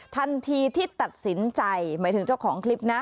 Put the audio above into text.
ทันทีที่ตัดสินใจหมายถึงเจ้าของคลิปนะ